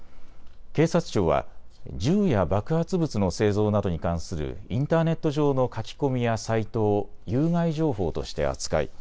警察庁は銃や爆発物の製造などに関するインターネット上の書き込みやサイトを有害情報として扱い